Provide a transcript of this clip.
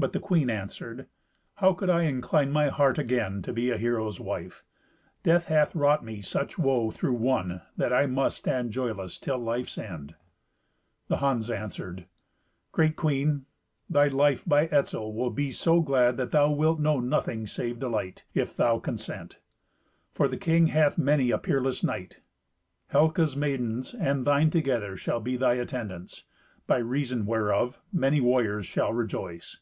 But the queen answered, "How could I incline my heart again to be a hero's wife? Death hath wrought me such woe through one, that I must stand joyless till my life's end." The Huns answered, "Great queen, thy life by Etzel will be so glad that thou wilt know nothing save delight, if thou consent. For the king hath many a peerless knight. Helca's maidens, and thine together, shall be thy attendants, by reason whereof many warriors shall rejoice.